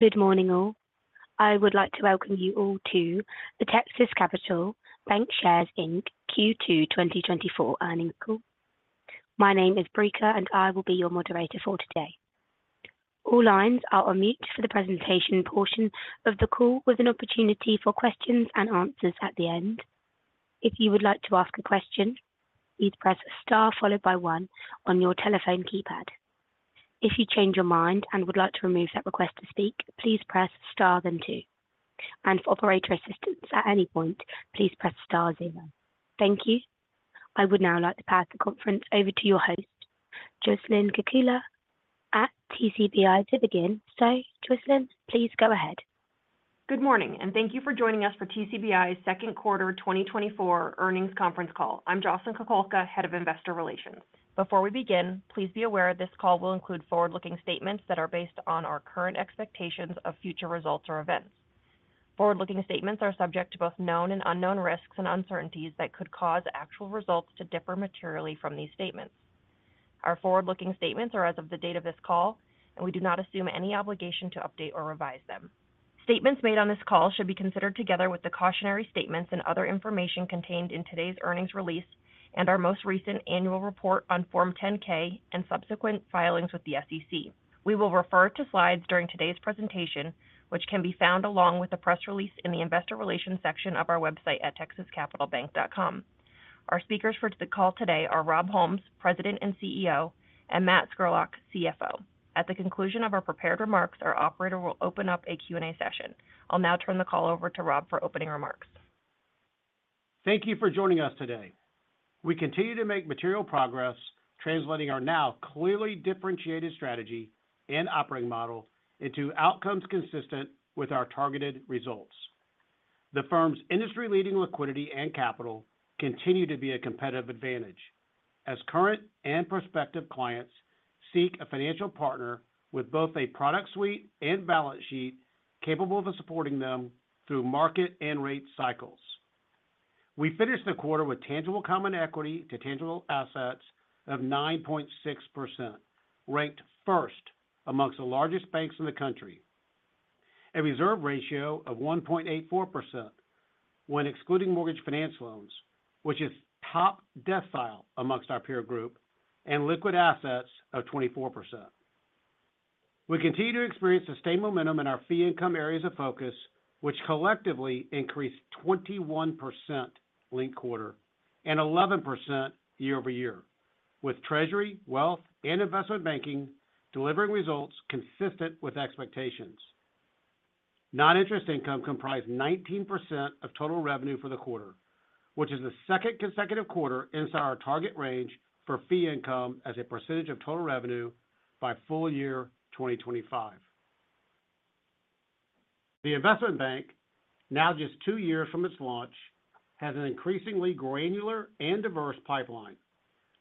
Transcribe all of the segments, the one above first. Good morning, all. I would like to welcome you all to the Texas Capital Bancshares, Inc. Q2 2024 earnings call. My name is Brica, and I will be your moderator for today. All lines are on mute for the presentation portion of the call, with an opportunity for questions and answers at the end. If you would like to ask a question, please press star followed by one on your telephone keypad. If you change your mind and would like to remove that request to speak, please press star, then two. And for operator assistance at any point, please press star zero. Thank you. I would now like to pass the conference over to your host, Jocelyn Kukulka at TCBI to begin. So, Jocelyn, please go ahead. Good morning, and thank you for joining us for TCBI's second quarter 2024 earnings conference call. I'm Jocelyn Kukulka, Head of Investor Relations. Before we begin, please be aware this call will include forward-looking statements that are based on our current expectations of future results or events. Forward-looking statements are subject to both known and unknown risks and uncertainties that could cause actual results to differ materially from these statements. Our forward-looking statements are as of the date of this call, and we do not assume any obligation to update or revise them. Statements made on this call should be considered together with the cautionary statements and other information contained in today's earnings release and our most recent annual report on Form 10-K and subsequent filings with the SEC. We will refer to slides during today's presentation, which can be found along with the press release in the Investor Relations section of our website at texascapitalbank.com. Our speakers for the call today are Rob Holmes, President and CEO, and Matt Scurlock, CFO. At the conclusion of our prepared remarks, our operator will open up a Q&A session. I'll now turn the call over to Rob for opening remarks. Thank you for joining us today. We continue to make material progress, translating our now clearly differentiated strategy and operating model into outcomes consistent with our targeted results. The firm's industry-leading liquidity and capital continue to be a competitive advantage as current and prospective clients seek a financial partner with both a product suite and balance sheet capable of supporting them through market and rate cycles. We finished the quarter with tangible common equity to tangible assets of 9.6%, ranked first among the largest banks in the country. A reserve ratio of 1.84% when excluding mortgage finance loans, which is top decile among our peer group and liquid assets of 24%. We continue to experience sustained momentum in our fee income areas of focus, which collectively increased 21% linked-quarter and 11% year-over-year, with treasury, wealth, and investment banking delivering results consistent with expectations. Non-interest income comprised 19% of total revenue for the quarter, which is the second consecutive quarter inside our target range for fee income as a percentage of total revenue by full year 2025. The investment bank, now just 2 years from its launch, has an increasingly granular and diverse pipeline,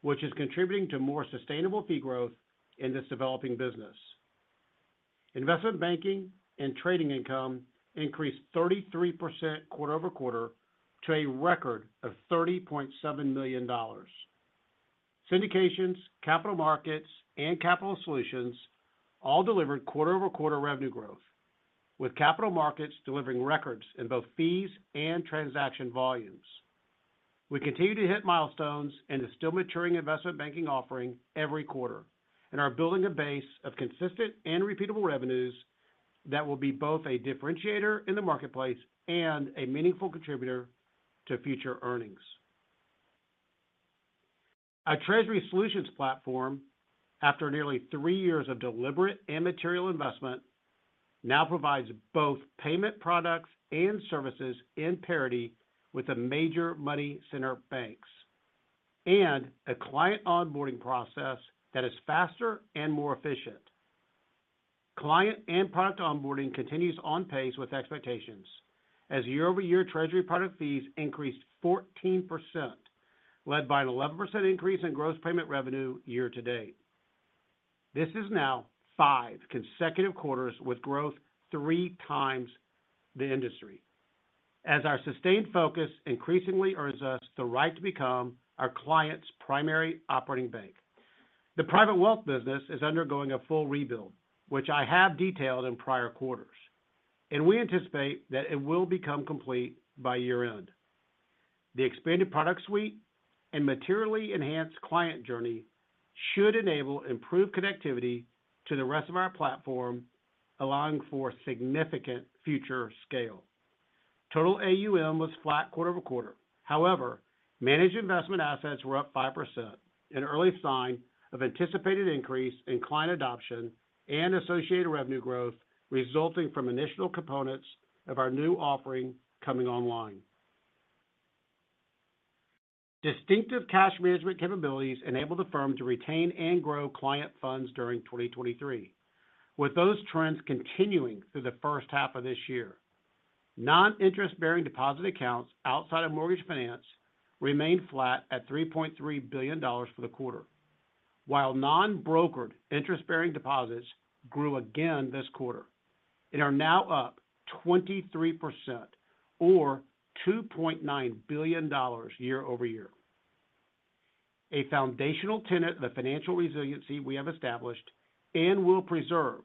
which is contributing to more sustainable fee growth in this developing business. Investment banking and trading income increased 33% quarter-over-quarter to a record of $30.7 million. Syndications, capital markets, and capital solutions all delivered quarter-over-quarter revenue growth, with capital markets delivering records in both fees and transaction volumes. We continue to hit milestones and are still maturing investment banking offering every quarter and are building a base of consistent and repeatable revenues that will be both a differentiator in the marketplace and a meaningful contributor to future earnings. Our treasury solutions platform, after nearly 3 years of deliberate and material investment, now provides both payment products and services in parity with the major money center banks, and a client onboarding process that is faster and more efficient. Client and product onboarding continues on pace with expectations, as year-over-year treasury product fees increased 14%, led by an 11% increase in gross payment revenue year to date. This is now 5 consecutive quarters with growth 3 times the industry. As our sustained focus increasingly earns us the right to become our client's primary operating bank. The private wealth business is undergoing a full rebuild, which I have detailed in prior quarters, and we anticipate that it will become complete by year-end. The expanded product suite and materially enhanced client journey should enable improved connectivity to the rest of our platform, allowing for significant future scale. Total AUM was flat quarter-over-quarter. However, managed investment assets were up 5%, an early sign of anticipated increase in client adoption and associated revenue growth resulting from initial components of our new offering coming online. Distinctive cash management capabilities enable the firm to retain and grow client funds during 2023, with those trends continuing through the first half of this year. Non-interest-bearing deposit accounts outside of mortgage finance remained flat at $3.3 billion for the quarter, while non-brokered interest-bearing deposits grew again this quarter and are now up 23% or $2.9 billion year-over-year. A foundational tenet of the financial resiliency we have established and will preserve,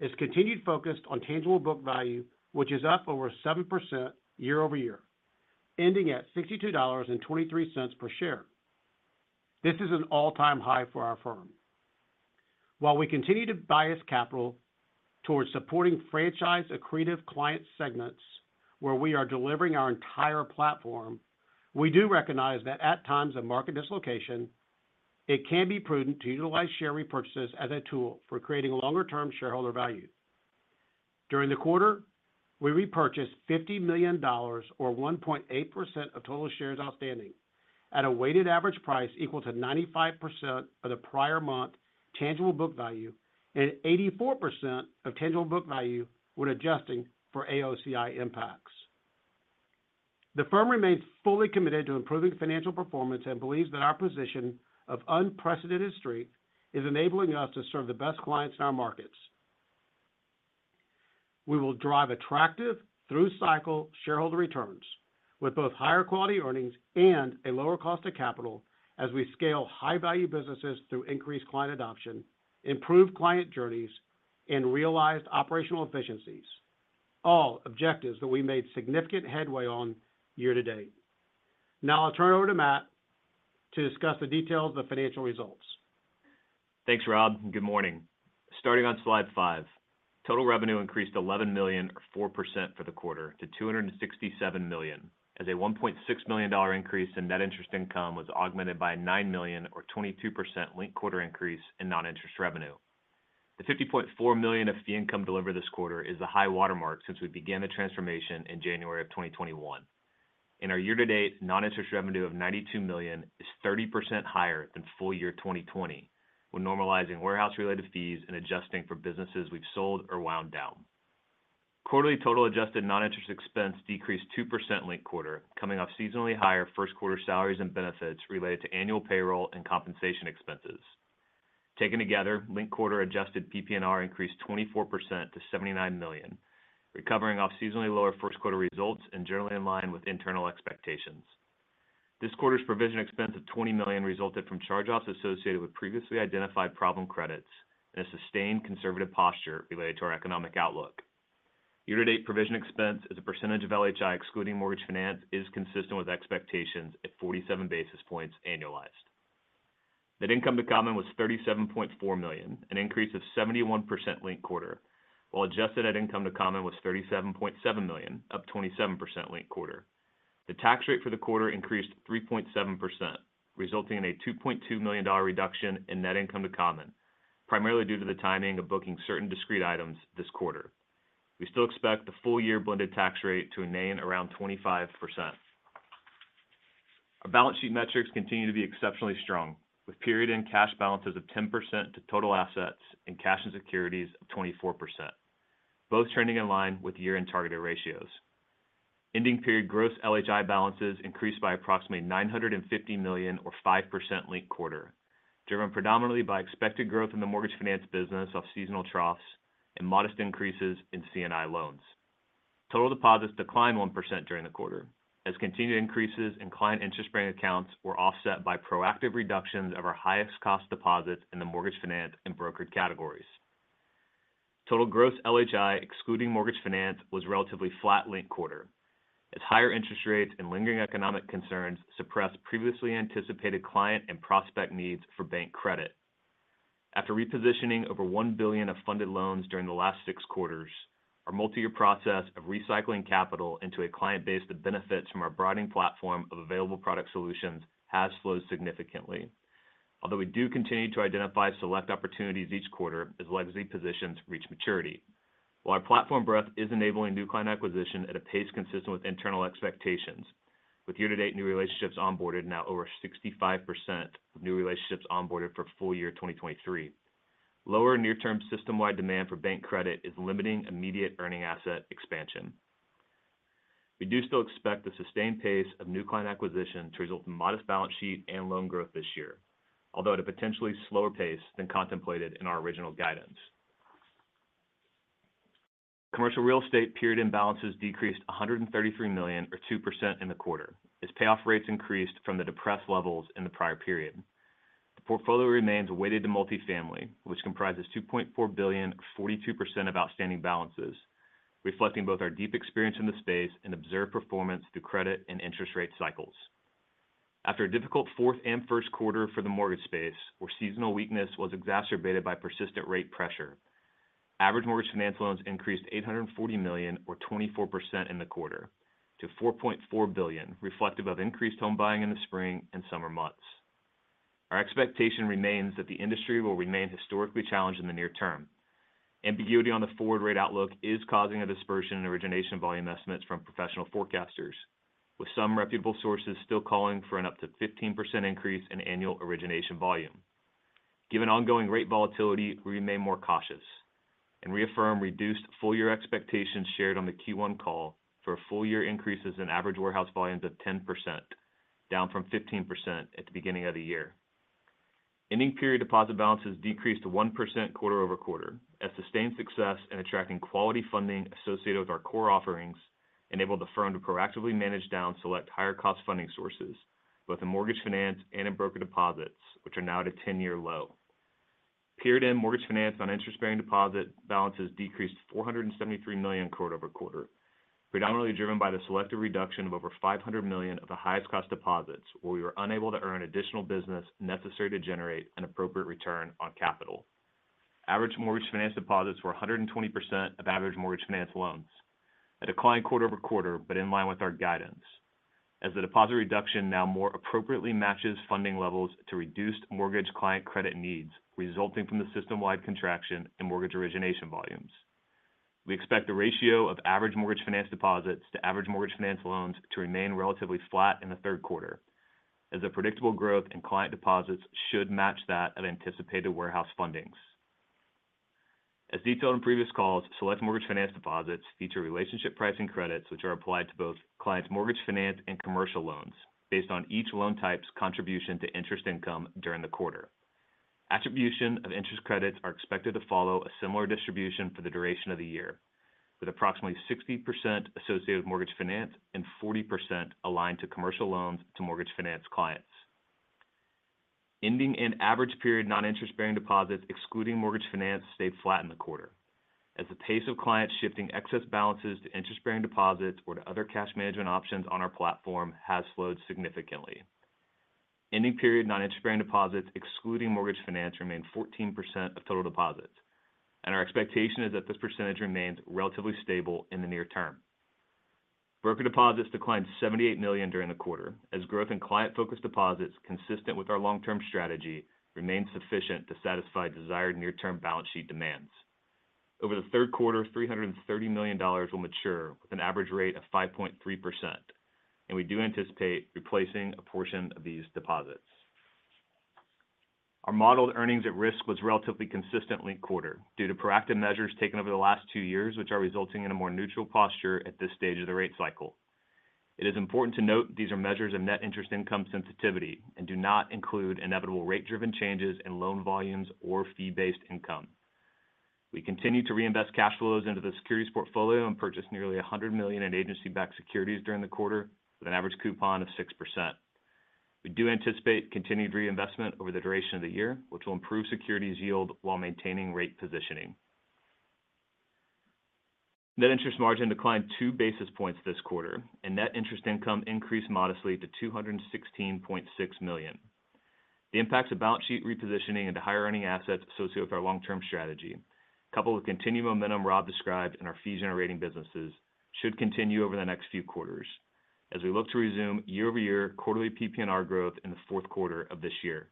is continued focus on tangible book value, which is up over 7% year-over-year, ending at $62.23 per share. This is an all-time high for our firm. While we continue to bias capital towards supporting franchise accretive client segments where we are delivering our entire platform, we do recognize that at times of market dislocation, it can be prudent to utilize share repurchases as a tool for creating longer-term shareholder value. During the quarter, we repurchased $50 million, or 1.8% of total shares outstanding, at a weighted average price equal to 95% of the prior month tangible book value, and 84% of tangible book value when adjusting for AOCI impacts. The firm remains fully committed to improving financial performance and believes that our position of unprecedented strength is enabling us to serve the best clients in our markets. We will drive attractive through-cycle shareholder returns with both higher quality earnings and a lower cost of capital as we scale high-value businesses through increased client adoption, improved client journeys, and realized operational efficiencies, all objectives that we made significant headway on year to date. Now I'll turn it over to Matt to discuss the details of financial results. Thanks, Rob, and good morning. Starting on slide 5. Total revenue increased $11 million or 4% for the quarter to $267 million, as a $1.6 million increase in net interest income was augmented by $9 million or 22% linked quarter increase in non-interest revenue. The $50.4 million of fee income delivered this quarter is the high watermark since we began the transformation in January 2021. In our year-to-date, non-interest revenue of $92 million is 30% higher than full year 2020, when normalizing warehouse-related fees and adjusting for businesses we've sold or wound down. Quarterly total adjusted non-interest expense decreased 2% linked quarter, coming off seasonally higher first quarter salaries and benefits related to annual payroll and compensation expenses. Taken together, linked-quarter adjusted PPNR increased 24% to $79 million, recovering off seasonally lower first quarter results and generally in line with internal expectations. This quarter's provision expense of $20 million resulted from charge-offs associated with previously identified problem credits and a sustained conservative posture related to our economic outlook. Year-to-date provision expense as a percentage of LHI, excluding mortgage finance, is consistent with expectations at 47 basis points annualized. Net income to common was $37.4 million, an increase of 71% linked quarter, while adjusted net income to common was $37.7 million, up 27% linked quarter. The tax rate for the quarter increased 3.7%, resulting in a $2.2 million reduction in net income to common, primarily due to the timing of booking certain discrete items this quarter. We still expect the full-year blended tax rate to remain around 25%. Our balance sheet metrics continue to be exceptionally strong, with period-end cash balances of 10% to total assets and cash and securities of 24%, both trending in line with year-end targeted ratios. Ending period gross LHI balances increased by approximately $950 million or 5% linked quarter, driven predominantly by expected growth in the mortgage finance business off seasonal troughs and modest increases in C&I loans. Total deposits declined 1% during the quarter, as continued increases in client interest-bearing accounts were offset by proactive reductions of our highest cost deposits in the mortgage finance and brokered categories. Total gross LHI, excluding mortgage finance, was relatively flat linked quarter, as higher interest rates and lingering economic concerns suppressed previously anticipated client and prospect needs for bank credit. After repositioning over $1 billion of funded loans during the last six quarters, our multi-year process of recycling capital into a client base that benefits from our broadening platform of available product solutions has slowed significantly. Although we do continue to identify select opportunities each quarter as legacy positions reach maturity. While our platform breadth is enabling new client acquisition at a pace consistent with internal expectations, with year-to-date new relationships onboarded now over 65% of new relationships onboarded for full year 2023. Lower near-term system-wide demand for bank credit is limiting immediate earning asset expansion. We do still expect the sustained pace of new client acquisition to result in modest balance sheet and loan growth this year, although at a potentially slower pace than contemplated in our original guidance. Commercial Real Estate period-end balances decreased $133 million, or 2% in the quarter, as payoff rates increased from the depressed levels in the prior period. The portfolio remains weighted to multifamily, which comprises $2.4 billion, 42% of outstanding balances, reflecting both our deep experience in the space and observed performance through credit and interest rate cycles. After a difficult fourth and first quarter for the mortgage space, where seasonal weakness was exacerbated by persistent rate pressure, average mortgage finance loans increased $840 million, or 24% in the quarter, to $4.4 billion, reflective of increased home buying in the spring and summer months. Our expectation remains that the industry will remain historically challenged in the near term. Ambiguity on the forward rate outlook is causing a dispersion in origination volume estimates from professional forecasters, with some reputable sources still calling for an up to 15% increase in annual origination volume. Given ongoing rate volatility, we remain more cautious and reaffirm reduced full-year expectations shared on the Q1 call for full-year increases in average warehouse volumes of 10%, down from 15% at the beginning of the year. Ending period deposit balances decreased to 1% quarter-over-quarter, as sustained success in attracting quality funding associated with our core offerings enabled the firm to proactively manage down select higher cost funding sources, both in mortgage finance and in broker deposits, which are now at a 10-year low. Period-end mortgage finance on interest-bearing deposit balances decreased $473 million quarter-over-quarter, predominantly driven by the selective reduction of over $500 million of the highest cost deposits, where we were unable to earn additional business necessary to generate an appropriate return on capital. Average mortgage finance deposits were 120% of average mortgage finance loans, a decline quarter-over-quarter, but in line with our guidance, as the deposit reduction now more appropriately matches funding levels to reduced mortgage client credit needs, resulting from the system-wide contraction in mortgage origination volumes. We expect the ratio of average mortgage finance deposits to average mortgage finance loans to remain relatively flat in the third quarter, as the predictable growth in client deposits should match that of anticipated warehouse fundings. As detailed on previous calls, select mortgage finance deposits feature relationship pricing credits, which are applied to both clients' mortgage finance and commercial loans based on each loan type's contribution to interest income during the quarter. Attribution of interest credits are expected to follow a similar distribution for the duration of the year, with approximately 60% associated with mortgage finance and 40% aligned to commercial loans to mortgage finance clients. Ending and average period, non-interest bearing deposits, excluding mortgage finance, stayed flat in the quarter. As the pace of clients shifting excess balances to interest-bearing deposits or to other cash management options on our platform has slowed significantly. Ending period non-interest bearing deposits, excluding mortgage finance, remained 14% of total deposits, and our expectation is that this percentage remains relatively stable in the near term. Brokered deposits declined to $78 million during the quarter, as growth in client-focused deposits, consistent with our long-term strategy, remained sufficient to satisfy desired near-term balance sheet demands. Over the third quarter, $330 million will mature with an average rate of 5.3%, and we do anticipate replacing a portion of these deposits. Our modeled earnings at risk was relatively consistent linked quarter, due to proactive measures taken over the last two years, which are resulting in a more neutral posture at this stage of the rate cycle. It is important to note these are measures of net interest income sensitivity and do not include inevitable rate-driven changes in loan volumes or fee-based income. We continue to reinvest cash flows into the securities portfolio and purchase nearly $100 million in agency-backed securities during the quarter with an average coupon of 6%. We do anticipate continued reinvestment over the duration of the year, which will improve securities yield while maintaining rate positioning. Net interest margin declined 2 basis points this quarter, and net interest income increased modestly to $216.6 million. The impacts of balance sheet repositioning into higher earning assets associated with our long-term strategy, coupled with continued momentum Rob described in our fee-generating businesses, should continue over the next few quarters as we look to resume year-over-year quarterly PPNR growth in the fourth quarter of this year.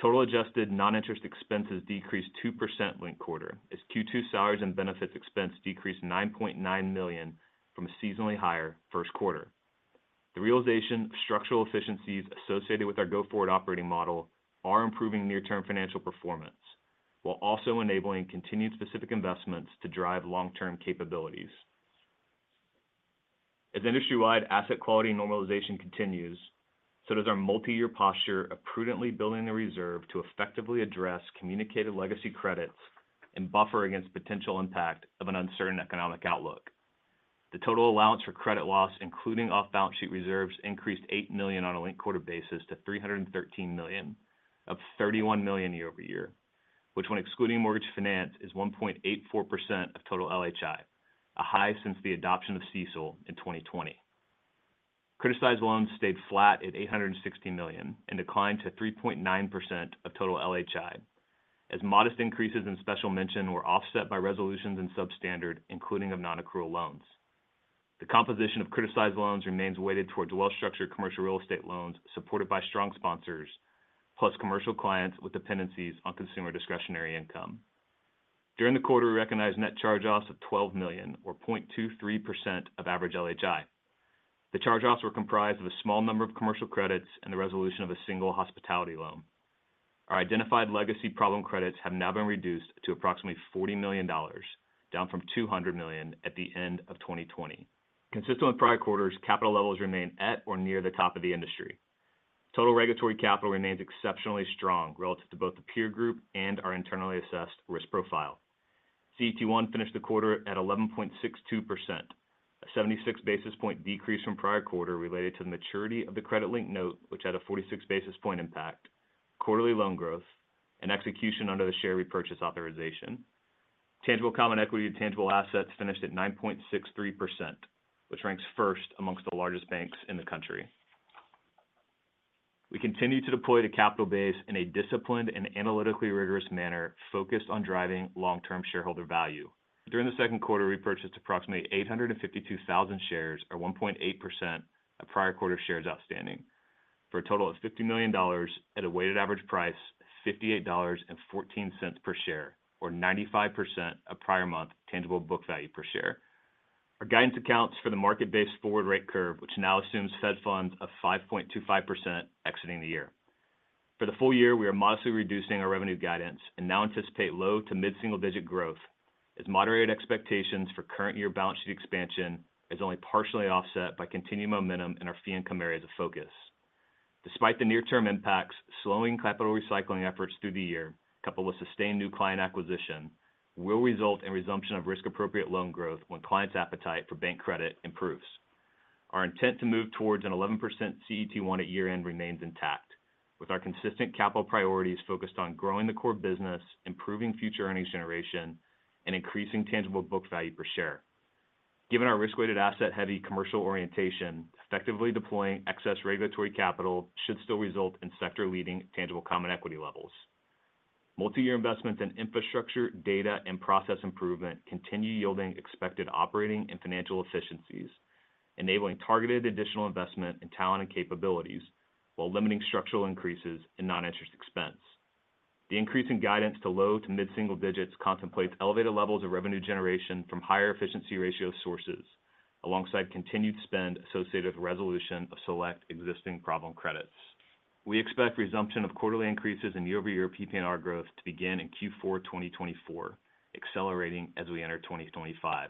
Total adjusted non-interest expenses decreased 2% linked quarter as Q2 salaries and benefits expense decreased $9.9 million from a seasonally higher first quarter. The realization of structural efficiencies associated with our go-forward operating model are improving near-term financial performance, while also enabling continued specific investments to drive long-term capabilities. As industry-wide asset quality normalization continues, so does our multi-year posture of prudently building the reserve to effectively address communicated legacy credits and buffer against potential impact of an uncertain economic outlook. The total allowance for credit loss, including off-balance sheet reserves, increased $8 million on a linked quarter basis to $313 million, up $31 million year over year, which when excluding mortgage finance, is 1.84% of total LHI, a high since the adoption of CECL in 2020. Criticized loans stayed flat at $860 million and declined to 3.9% of total LHI, as modest increases in special mention were offset by resolutions in substandard, including of non-accrual loans. The composition of criticized loans remains weighted towards well-structured commercial real estate loans, supported by strong sponsors, plus commercial clients with dependencies on consumer discretionary income. During the quarter, we recognized net charge-offs of $12 million, or 0.23% of average LHI. The charge-offs were comprised of a small number of commercial credits and the resolution of a single hospitality loan. Our identified legacy problem credits have now been reduced to approximately $40 million, down from $200 million at the end of 2020. Consistent with prior quarters, capital levels remain at or near the top of the industry. Total regulatory capital remains exceptionally strong relative to both the peer group and our internally assessed risk profile. CET1 finished the quarter at 11.62%, a 76 basis point decrease from prior quarter related to the maturity of the credit-linked note, which had a 46 basis point impact, quarterly loan growth, and execution under the share repurchase authorization. Tangible common equity to tangible assets finished at 9.63%, which ranks first amongst the largest banks in the country. We continue to deploy the capital base in a disciplined and analytically rigorous manner, focused on driving long-term shareholder value. During the second quarter, we purchased approximately 852,000 shares, or 1.8% of prior quarter shares outstanding, for a total of $50 million at a weighted average price of $58.14 per share, or 95% of prior month tangible book value per share. Our guidance accounts for the market-based forward rate curve, which now assumes Fed funds of 5.25% exiting the year. For the full year, we are modestly reducing our revenue guidance and now anticipate low- to mid-single-digit growth.... As moderated expectations for current year balance sheet expansion is only partially offset by continued momentum in our fee income areas of focus. Despite the near-term impacts, slowing capital recycling efforts through the year, coupled with sustained new client acquisition, will result in resumption of risk-appropriate loan growth when clients' appetite for bank credit improves. Our intent to move towards an 11% CET1 at year-end remains intact, with our consistent capital priorities focused on growing the core business, improving future earnings generation, and increasing tangible book value per share. Given our risk-weighted asset-heavy commercial orientation, effectively deploying excess regulatory capital should still result in sector-leading tangible common equity levels. Multi-year investments in infrastructure, data, and process improvement continue yielding expected operating and financial efficiencies, enabling targeted additional investment in talent and capabilities, while limiting structural increases in non-interest expense. The increase in guidance to low to mid-single digits contemplates elevated levels of revenue generation from higher efficiency ratio sources, alongside continued spend associated with resolution of select existing problem credits. We expect resumption of quarterly increases in year-over-year PPNR growth to begin in Q4 2024, accelerating as we enter 2025.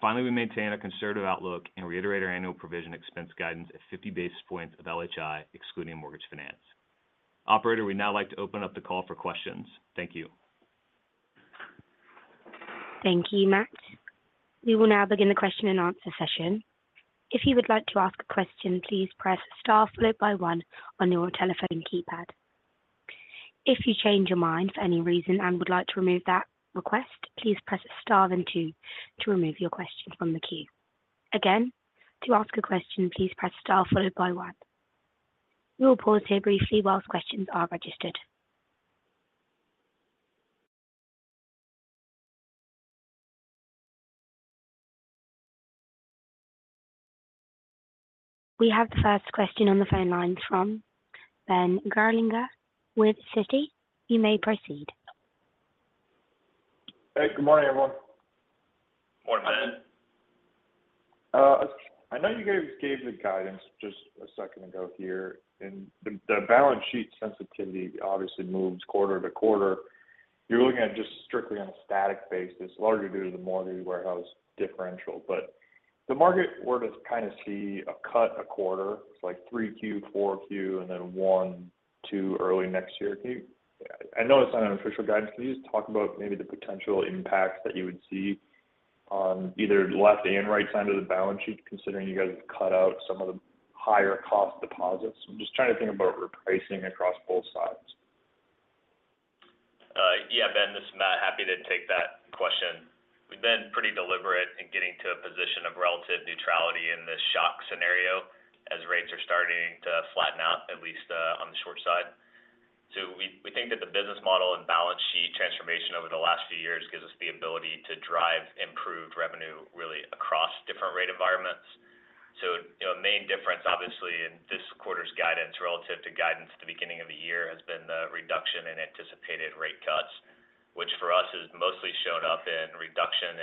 Finally, we maintain a conservative outlook and reiterate our annual provision expense guidance at 50 basis points of LHI, excluding mortgage finance. Operator, we'd now like to open up the call for questions. Thank you. Thank you, Matt. We will now begin the question-and-answer session. If you would like to ask a question, please press star followed by one on your telephone keypad. If you change your mind for any reason and would like to remove that request, please press star then two to remove your question from the queue. Again, to ask a question, please press star followed by one. We will pause here briefly while questions are registered. We have the first question on the phone lines from Ben Gerlinger with Citi. You may proceed. Hey, good morning, everyone. Good morning, Ben. I know you guys gave the guidance just a second ago here, and the balance sheet sensitivity obviously moves quarter to quarter. You're looking at just strictly on a static basis, largely due to the mortgage warehouse differential. But the market, where does kind of see a cut a quarter, it's like three Q, four Q, and then one, two early next year? Can you... I know it's not an official guidance, can you just talk about maybe the potential impacts that you would see on either left and right side of the balance sheet, considering you guys cut out some of the higher cost deposits? I'm just trying to think about repricing across both sides. Yeah, Ben, this is Matt. Happy to take that question. We've been pretty deliberate in getting to a position of relative neutrality in this shock scenario as rates are starting to flatten out, at least, on the short side. So we think that the business model and balance sheet transformation over the last few years gives us the ability to drive improved revenue really across different rate environments. So you know, a main difference, obviously, in this quarter's guidance relative to guidance at the beginning of the year, has been the reduction in anticipated rate cuts, which for us, has mostly shown up in reduction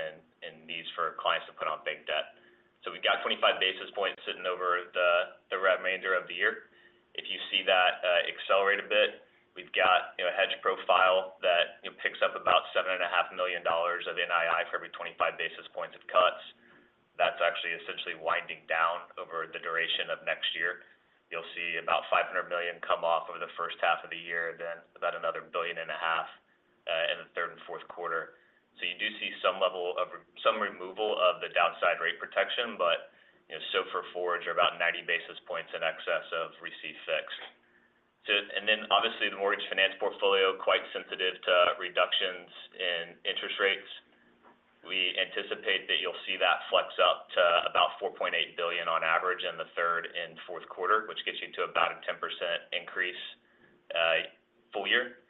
in needs for clients to put on bank debt. So we've got 25 basis points sitting over the remainder of the year. If you see that accelerate a bit, we've got, you know, a hedge profile that, you know, picks up about $7.5 million of NII for every 25 basis points of cuts. That's actually essentially winding down over the duration of next year. You'll see about $500 million come off over the first half of the year, then about another $1.5 billion in the third and fourth quarter. So you do see some level of some removal of the downside rate protection, but you know, so forwards are about 90 basis points in excess of receive fixed. So, and then obviously, the mortgage finance portfolio, quite sensitive to reductions in interest rates. We anticipate that you'll see that flex up to about $4.8 billion on average in the third and fourth quarter, which gets you to about a 10% increase, full year.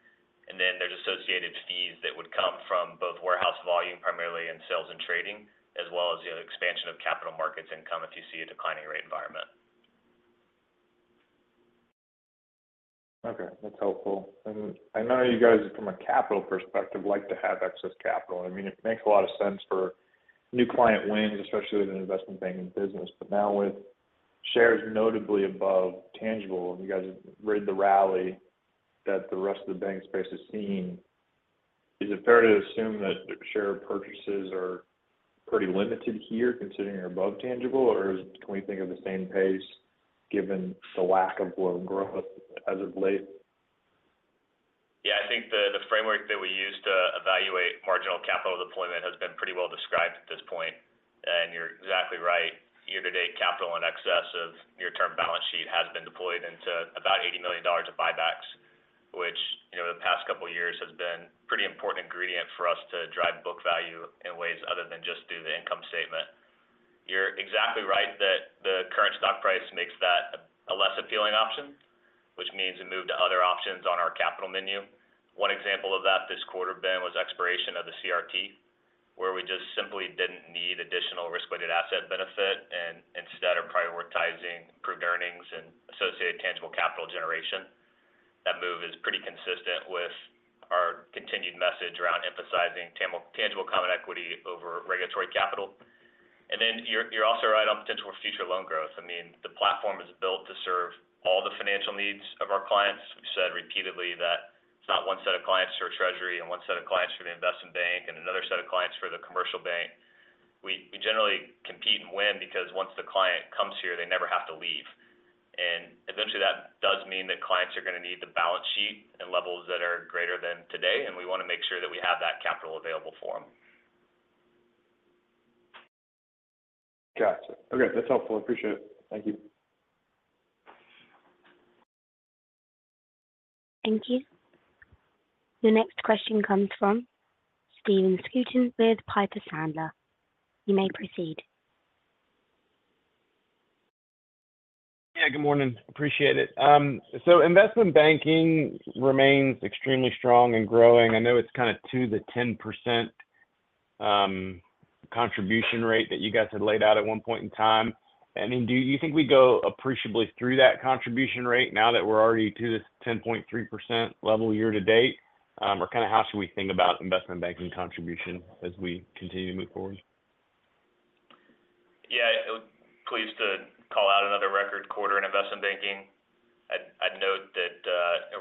And then there's associated fees that would come from both warehouse volume, primarily in sales and trading, as well as the expansion of capital markets income if you see a declining rate environment. Okay, that's helpful. I know you guys, from a capital perspective, like to have excess capital. I mean, it makes a lot of sense for new client wins, especially with an investment banking business. But now with shares notably above tangible, and you guys have ridden the rally that the rest of the bank space has seen, is it fair to assume that share purchases are pretty limited here, considering you're above tangible, or can we think of the same pace given the lack of loan growth as of late? Yeah, I think the framework that we use to evaluate marginal capital deployment has been pretty well described at this point. You're exactly right. Year-to-date, capital in excess of near-term balance sheet has been deployed into about $80 million of buybacks, which, you know, the past couple of years has been pretty important ingredient for us to drive book value in ways other than just through the income statement. You're exactly right that the current stock price makes that a less appealing option, which means a move to other options on our capital menu. One example of that this quarter, Ben, was expiration of the CRT, where we just simply didn't need additional risk-weighted asset benefit, and instead are prioritizing improved earnings and associated tangible capital generation. That move is pretty consistent with our continued message around emphasizing tangible common equity over regulatory capital. You're also right on potential for future loan growth. I mean, the platform is built to serve all the financial needs of our clients. We've said repeatedly that it's not one set of clients for treasury and one set of clients for the investment bank and another set of clients for the commercial bank. We generally compete and win because once the client comes here, they never have to leave. And eventually, that does mean that clients are going to need the balance sheet at levels that are greater than today, and we want to make sure that we have that capital available for them. Got you. Okay, that's helpful. Appreciate it. Thank you. Thank you. The next question comes from Stephen Scouten with Piper Sandler. You may proceed. Yeah, good morning. Appreciate it. So investment banking remains extremely strong and growing. I know it's kind of to the 10% contribution rate that you guys had laid out at one point in time. I mean, do you think we go appreciably through that contribution rate now that we're already to this 10.3% level year to date? Or kind of how should we think about investment banking contribution as we continue to move forward? Yeah, pleased to call out another record quarter in investment banking. I'd note that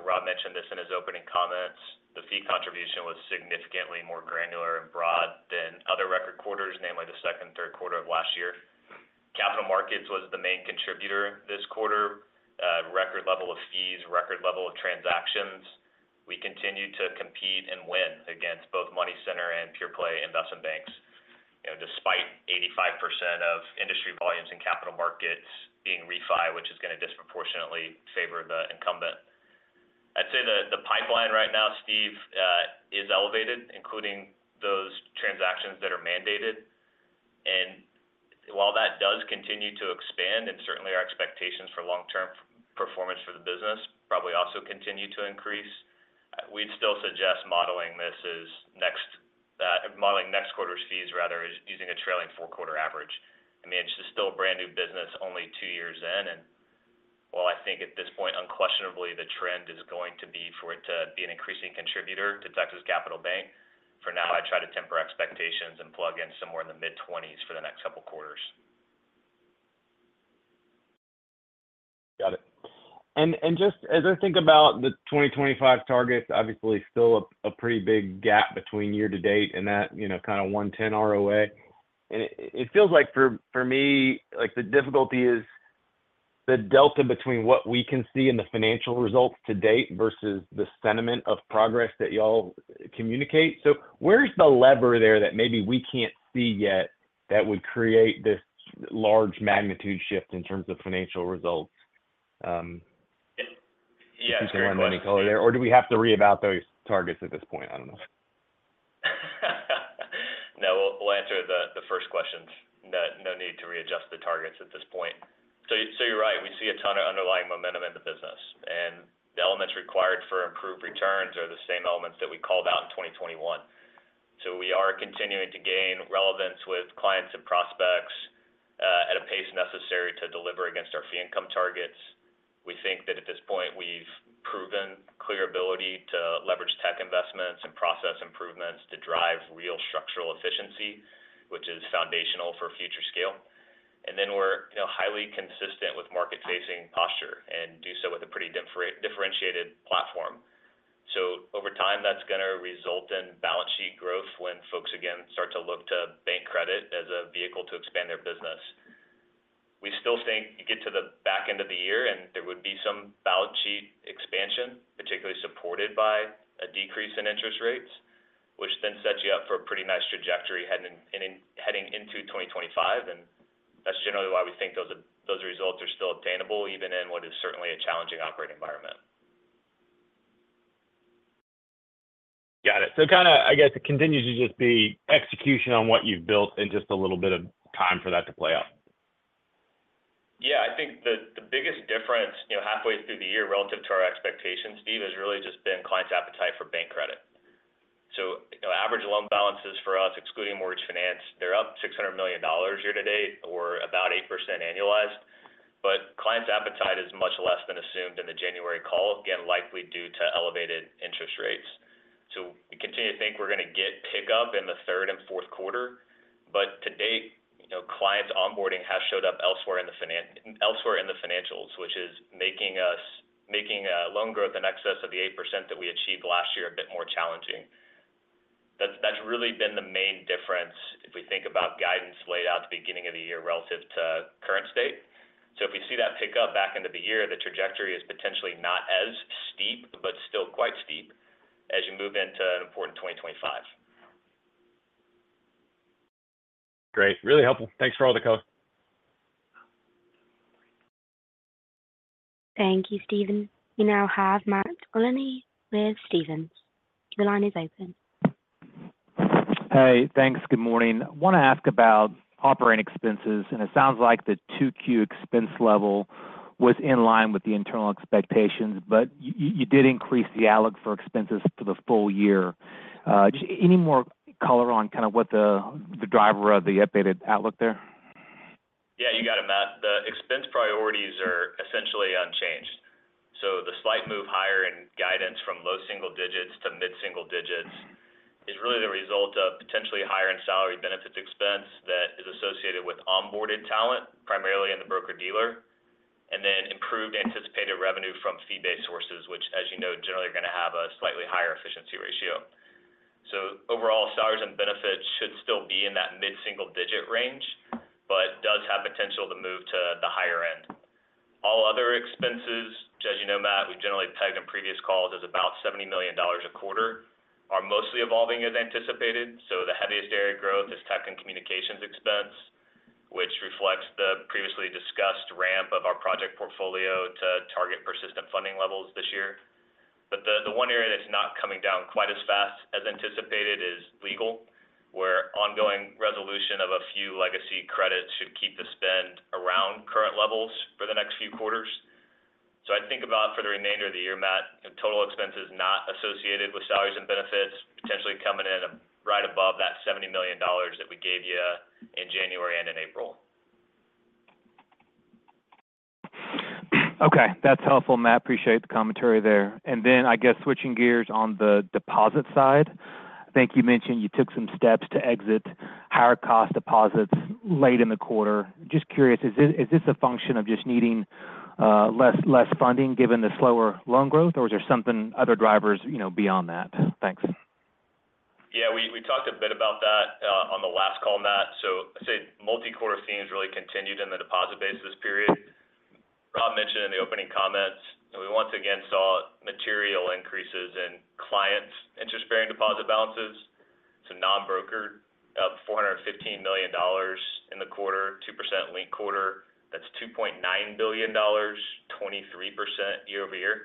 Rob mentioned this in his opening comments. The fee contribution was significantly more granular and broad than other record quarters, namely the second and third quarter of last year. Capital markets was the main contributor this quarter. Record level of fees, record level of transactions. We continued to compete and win against both money center and pure play investment banks. You know, despite 85% of industry volumes in capital markets being refi, which is going to disproportionately favor the incumbent. I'd say the pipeline right now, Steve, is elevated, including those transactions that are mandated. And while that does continue to expand, and certainly our expectations for long-term performance for the business probably also continue to increase, we'd still suggest modeling next quarter's fees rather as using a trailing four-quarter average. I mean, it's still a brand-new business, only two years in, and while I think at this point, unquestionably, the trend is going to be for it to be an increasing contributor to Texas Capital Bank, for now, I'd try to temper expectations and plug in somewhere in the mid-20s for the next couple of quarters. Got it. And just as I think about the 2025 targets, obviously still a pretty big gap between year to date and that, you know, kind of 1.10 ROA. And it feels like for me, like the difficulty is the delta between what we can see in the financial results to date versus the sentiment of progress that you all communicate. So where's the lever there that maybe we can't see yet that would create this large magnitude shift in terms of financial results. Yeah, great question. If you can lend any color there, or do we have to re-eval those targets at this point? I don't know. No, we'll answer the first questions. No need to readjust the targets at this point. So you're right, we see a ton of underlying momentum in the business, and the elements required for improved returns are the same elements that we called out in 2021. So we are continuing to gain relevance with clients and prospects at a pace necessary to deliver against our fee income targets. We think that at this point, we've proven clear ability to leverage tech investments and process improvements to drive real structural efficiency, which is foundational for future scale. And then we're, you know, highly consistent with market-facing posture and do so with a pretty differentiated platform. So over time, that's going to result in balance sheet growth when folks again start to look to bank credit as a vehicle to expand their business. We still think you get to the back end of the year, and there would be some balance sheet expansion, particularly supported by a decrease in interest rates, which then sets you up for a pretty nice trajectory heading in, heading into 2025. That's generally why we think those, those results are still obtainable, even in what is certainly a challenging operating environment. Got it. So kind of, I guess, it continues to just be execution on what you've built and just a little bit of time for that to play out? Yeah, I think the biggest difference, you know, halfway through the year relative to our expectations, Steve, has really just been clients' appetite for bank credit. So, you know, average loan balances for us, excluding mortgage finance, they're up $600 million year to date, or about 8% annualized. But clients' appetite is much less than assumed in the January call, again, likely due to elevated interest rates. So we continue to think we're going to get pickup in the third and fourth quarter, but to date, you know, clients' onboarding has showed up elsewhere in the financials, which is making loan growth in excess of the 8% that we achieved last year, a bit more challenging. That's really been the main difference if we think about guidance laid out at the beginning of the year relative to current state. So if we see that pick up back end of the year, the trajectory is potentially not as steep, but still quite steep as you move into an important 2025. Great. Really helpful. Thanks for all the code. Thank you, Stephen. We now have Matt Olney with Stephens. The line is open. Hey, thanks. Good morning. I want to ask about operating expenses, and it sounds like the 2Q expense level was in line with the internal expectations, but you did increase the outlook for expenses for the full year. Just any more color on kind of what the driver of the updated outlook there? Yeah, you got it, Matt. The expense priorities are essentially unchanged. Might move higher in guidance from low single digits to mid-single digits is really the result of potentially higher in salary benefits expense that is associated with onboarded talent, primarily in the broker-dealer, and then improved anticipated revenue from fee-based sources, which as you know, generally are going to have a slightly higher efficiency ratio. So overall, salaries and benefits should still be in that mid-single digit range, but does have potential to move to the higher end. All other expenses, as you know, Matt, we've generally tagged in previous calls as about $70 million a quarter, are mostly evolving as anticipated. So the heaviest area of growth is tech and communications expense, which reflects the previously discussed ramp of our project portfolio to target persistent funding levels this year. But the one area that's not coming down quite as fast as anticipated is legal, where ongoing resolution of a few legacy credits should keep the spend around current levels for the next few quarters. So I think about for the remainder of the year, Matt, the total expenses not associated with salaries and benefits, potentially coming in right above that $70 million that we gave you in January and in April. Okay, that's helpful, Matt. Appreciate the commentary there. And then I guess switching gears on the deposit side, I think you mentioned you took some steps to exit higher cost deposits late in the quarter. Just curious, is this, is this a function of just needing less, less funding given the slower loan growth? Or is there something other drivers, you know, beyond that? Thanks. Yeah, we talked a bit about that on the last call, Matt. So I'd say multi-quarter theme has really continued in the deposit base this period. Rob mentioned in the opening comments, and we once again saw material increases in clients' interest-bearing deposit balances to non-brokered, up $415 million in the quarter, 2% linked quarter. That's $2.9 billion, 23% year-over-year.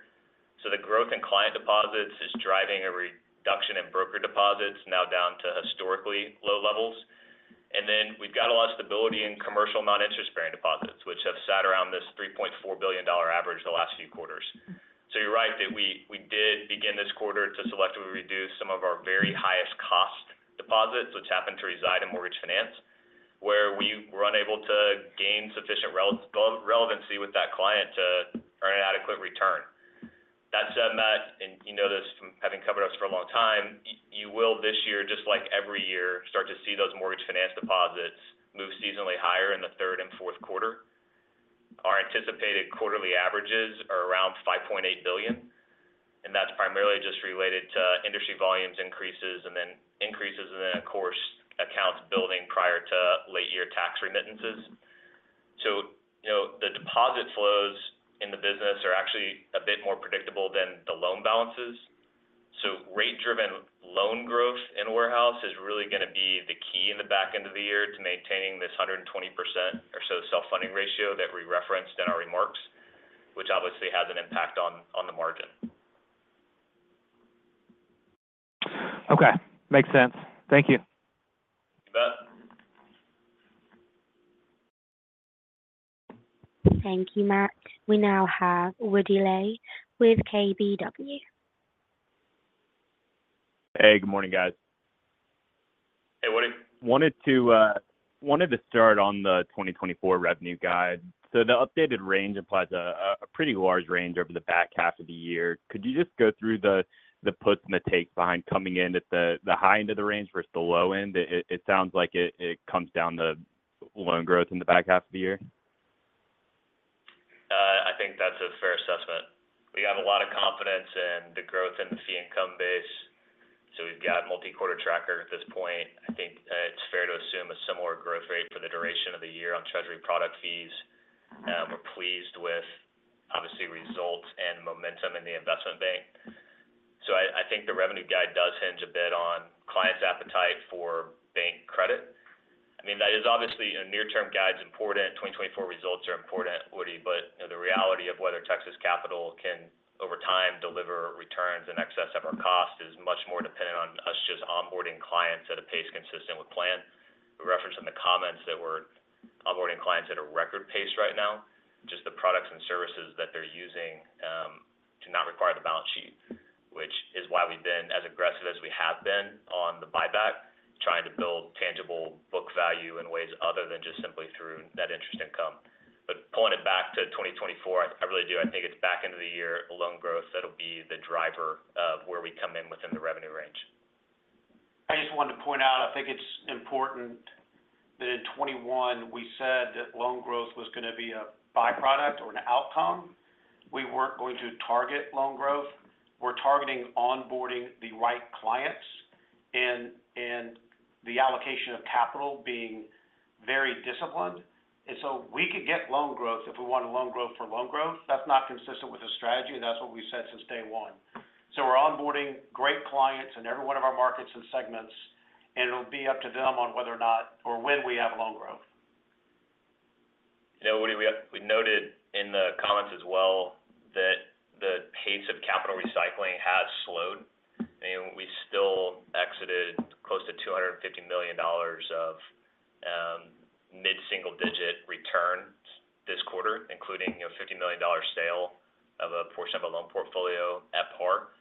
So the growth in client deposits is driving a reduction in brokered deposits, now down to historically low levels. And then we've got a lot of stability in commercial non-interest-bearing deposits, which have sat around this $3.4 billion average the last few quarters. So you're right that we did begin this quarter to selectively reduce some of our very highest cost deposits, which happened to reside in mortgage finance, where we were unable to gain sufficient relevancy with that client to earn an adequate return. That said, Matt, and you know this from having covered us for a long time, you will, this year, just like every year, start to see those mortgage finance deposits move seasonally higher in the third and fourth quarter. Our anticipated quarterly averages are around $5.8 billion, and that's primarily just related to industry volumes increases and then increases, and then, of course, accounts building prior to late year tax remittances. So, you know, the deposit flows in the business are actually a bit more predictable than the loan balances. So rate-driven loan growth in warehouse is really going to be the key in the back end of the year to maintaining this 120% or so self-funding ratio that we referenced in our remarks, which obviously has an impact on the margin. Okay, makes sense. Thank you. You bet. Thank you, Matt. We now have Woody Lay with KBW. Hey, good morning, guys. Hey, Woody. Wanted to start on the 2024 revenue guide. So the updated range applies a pretty large range over the back half of the year. Could you just go through the puts and the takes behind coming in at the high end of the range versus the low end? It sounds like it comes down to loan growth in the back half of the year. I think that's a fair assessment. We have a lot of confidence in the growth in the fee income base, so we've got multi-quarter tracker at this point. I think it's fair to assume a similar growth rate for the duration of the year on treasury product fees. We're pleased with obviously, results and momentum in the investment bank. So I, I think the revenue guide does hinge a bit on clients' appetite for bank credit. I mean, that is obviously a near-term guide's important. 2024 results are important, Woody, but the reality of whether Texas Capital can, over time, deliver returns in excess of our cost is much more dependent on us just onboarding clients at a pace consistent with plan. We referenced in the comments that we're onboarding clients at a record pace right now, just the products and services that they're using to not require the balance sheet, which is why we've been as aggressive as we have been on the buyback, trying to build tangible book value in ways other than just simply through net interest income. But pulling it back to 2024, I really do. I think it's back end of the year loan growth that'll be the driver of where we come in within the revenue range. I just wanted to point out, I think it's important that in 2021, we said that loan growth was going to be a by-product or an outcome. We weren't going to target loan growth. We're targeting onboarding the right clients and the allocation of capital being very disciplined. And so we could get loan growth if we want a loan growth for loan growth. That's not consistent with the strategy, and that's what we've said since day one. So we're onboarding great clients in every one of our markets and segments, and it'll be up to them on whether or not or when we have loan growth. Yeah, Woody, we have -- we noted in the comments as well, that the pace of capital recycling has slowed, and we still exited close to $250 million of mid-single digit returns this quarter, including a $50 million sale of a portion of a loan portfolio. That part.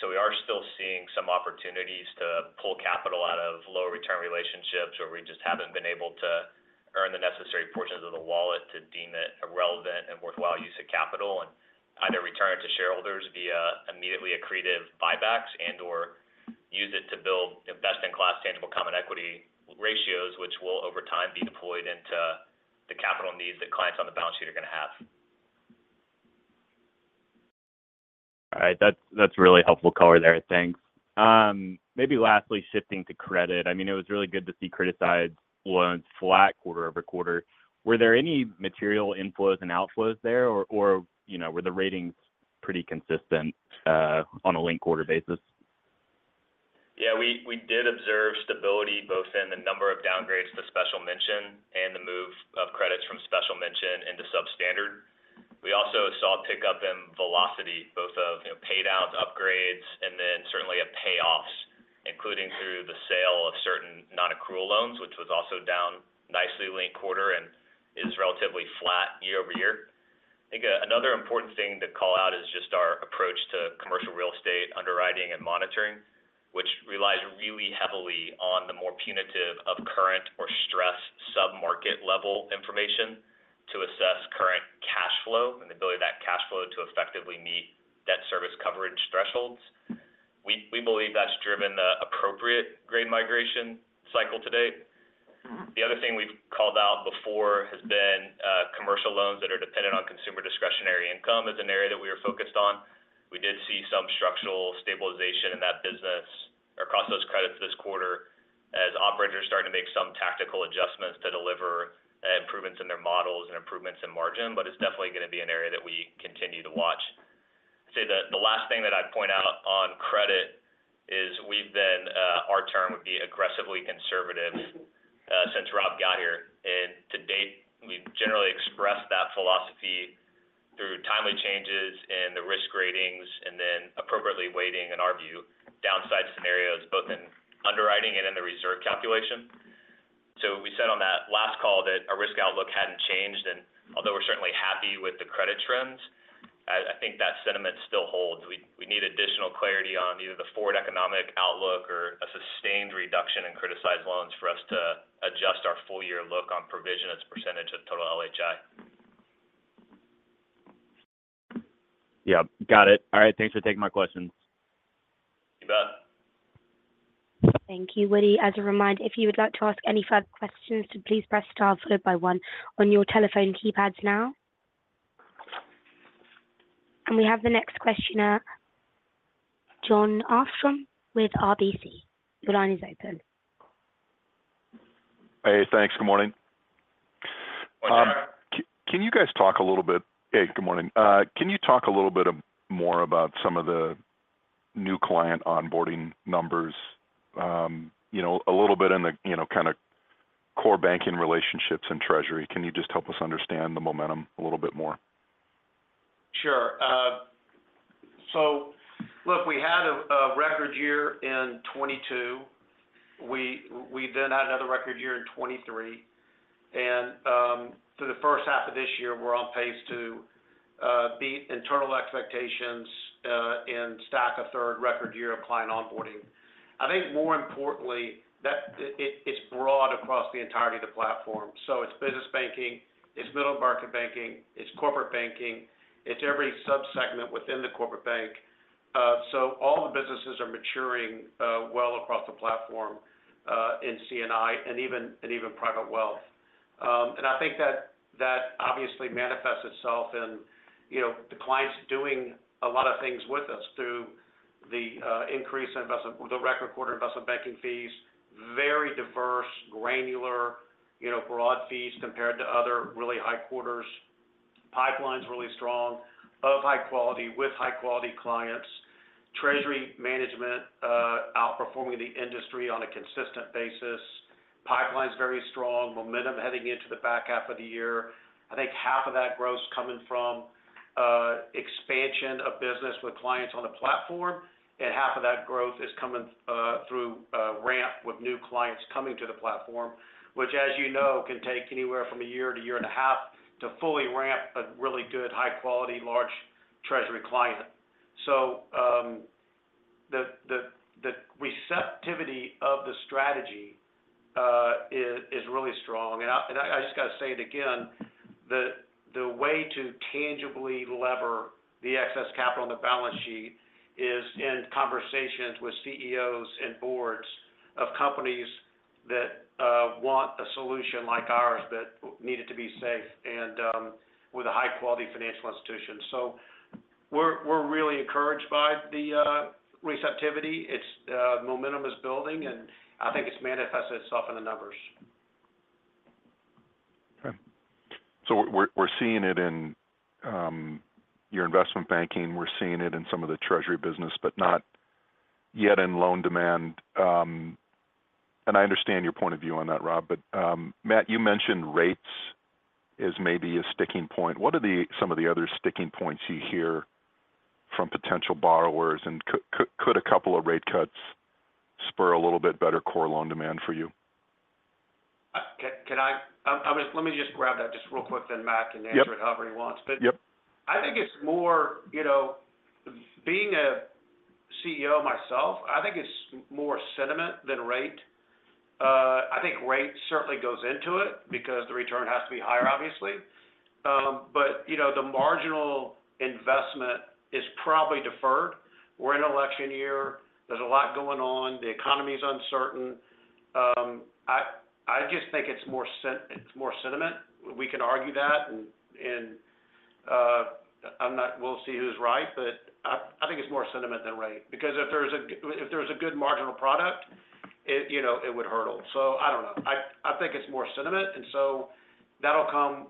So we're still seeing some opportunities to pull capital out of lower return relationships where we just haven't been able to earn the necessary portions of the wallet to deem it a relevant and worthwhile use of capital, and either return it to shareholders via immediately accretive buybacks and/or use it to build best-in-class Tangible Common Equity ratios, which will over time be deployed into the capital needs that clients on the balance sheet are going to have. All right, that's, that's really helpful color there. Thanks. Maybe lastly, shifting to credit. I mean, it was really good to see criticized loans flat quarter-over-quarter. Were there any material inflows and outflows there, or, you know, were the ratings pretty consistent on a linked-quarter basis? Yeah, we did observe stability both in the number of downgrades to special mention and the move of credits from special mention into substandard. We also saw a pickup in velocity, both of, you know, paydowns, upgrades, and then certainly of payoffs, including through the sale of certain non-accrual loans, which was also down nicely linked quarter and is relatively flat year-over-year. I think, another important thing to call out is just our approach to commercial real estate underwriting and monitoring, which relies really heavily on the more punitive of current or stress submarket level information to assess current cash flow and the ability of that cash flow to effectively meet debt service coverage thresholds. We believe that's driven the appropriate grade migration cycle to date. The other thing we've called out before has been commercial loans that are dependent on consumer discretionary income as an area that we are focused on. We did see some structural stabilization in that business across those credits this quarter as operators are starting to make some tactical adjustments to deliver improvements in their models and improvements in margin, but it's definitely going to be an area that we continue to watch. I'd say the last thing that I'd point out on credit is we've been our term would be aggressively conservative since Rob got here, and to date, we've generally expressed that philosophy through timely changes in the risk ratings and then appropriately weighting, in our view, downside scenarios, both in underwriting and in the reserve calculation. So we said on that last call that our risk outlook hadn't changed, and although we're certainly happy with the credit trends, I think that sentiment still holds. We need additional clarity on either the forward economic outlook or a sustained reduction in criticized loans for us to adjust our full year look on provision as a percentage of total LHI. Yeah. Got it. All right. Thanks for taking my questions. You bet. Thank you, Woody. As a reminder, if you would like to ask any further questions, then please press star followed by one on your telephone keypads now. We have the next questioner, Jon Arfstrom with RBC. Your line is open. Hey, thanks. Good morning. Good morning. Hey, good morning. Can you talk a little bit more about some of the new client onboarding numbers? You know, a little bit in the, you know, kind of core banking relationships and treasury. Can you just help us understand the momentum a little bit more? Sure. So look, we had a record year in 2022. We then had another record year in 2023, and through the first half of this year, we're on pace to beat internal expectations and stack a third record year of client onboarding. I think more importantly, that it's broad across the entirety of the platform. So it's business banking, it's middle-market banking, it's corporate banking, it's every subsegment within the corporate bank. So all the businesses are maturing well across the platform in C&I and even private wealth. And I think that obviously manifests itself in, you know, the clients doing a lot of things with us through the increase in the record quarter investment banking fees, very diverse, granular, you know, broad fees compared to other really high quarters. Pipeline's really strong, of high quality, with high-quality clients, treasury management, outperforming the industry on a consistent basis. Pipeline is very strong, momentum heading into the back half of the year. I think half of that growth is coming from expansion of business with clients on the platform, and half of that growth is coming through ramp with new clients coming to the platform. Which, as you know, can take anywhere from a year to a year and a half to fully ramp a really good, high-quality, large treasury client. So, the receptivity of the strategy is really strong. And I just got to say it again, the way to tangibly leverage the excess capital on the balance sheet is in conversations with CEOs and boards of companies that want a solution like ours, that need it to be safe and with a high-quality financial institution. So we're really encouraged by the receptivity. It's momentum is building, and I think it's manifested itself in the numbers. Okay. So we're seeing it in your investment banking, we're seeing it in some of the treasury business, but not yet in loan demand. And I understand your point of view on that, Rob, but Matt, you mentioned rates is maybe a sticking point. What are some of the other sticking points you hear from potential borrowers? And could a couple of rate cuts spur a little bit better core loan demand for you? Can I, I mean, let me just grab that just real quick, then Matt can answer it however he wants. Yep. But I think it's more, you know, being a CEO myself, I think it's more sentiment than rate. I think rate certainly goes into it because the return has to be higher, obviously. But, you know, the marginal investment is probably deferred. We're in election year, there's a lot going on, the economy is uncertain. I just think it's more sentiment. We can argue that, and we'll see who's right, but I think it's more sentiment than rate. Because if there's a good marginal product, it, you know, it would hurdle. So I don't know. I think it's more sentiment, and so that'll come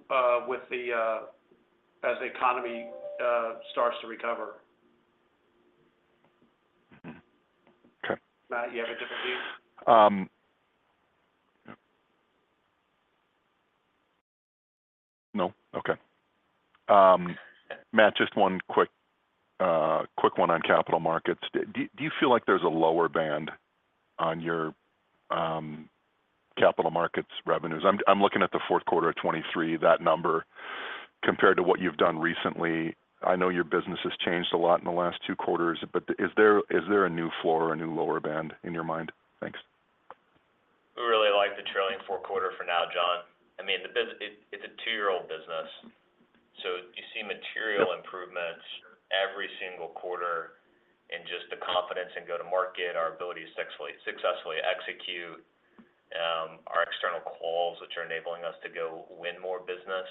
with as the economy starts to recover. Mm-hmm. Okay. Matt, you have a different view? No. Okay. Matt, just one quick one on Capital Markets. Do you feel like there's a lower band on your Capital Markets revenues? I'm looking at the fourth quarter of 2023, that number, compared to what you've done recently. I know your business has changed a lot in the last two quarters, but is there a new floor or a new lower band in your mind? Thanks. We really like the trailing four quarter for now, Jon. I mean, it's a two-year-old business, so you see material improvements every single quarter in just the confidence and go-to-market, our ability to successfully, successfully execute, our external calls, which are enabling us to go win more business.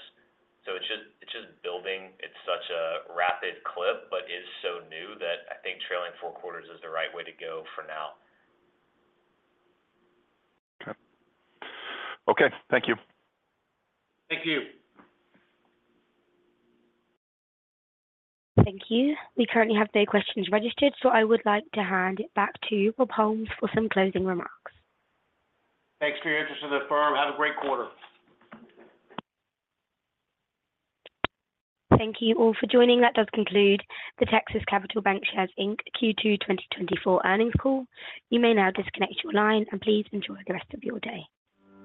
So it's just, it's just building. It's such a rapid clip, but is so new that I think trailing four quarters is the right way to go for now. Okay. Okay, thank you. Thank you. Thank you. We currently have no questions registered, so I would like to hand it back to Rob Holmes for some closing remarks. Thanks for your interest in the firm. Have a great quarter. Thank you all for joining. That does conclude the Texas Capital Bancshares, Inc. Q2 2024 earnings call. You may now disconnect your line, and please enjoy the rest of your day.